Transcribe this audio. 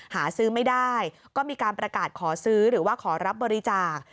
หาซื้อไม่ได้ก็มีการประกาศขอซื้อหรือว่าขอรับบริจาค